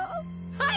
はい！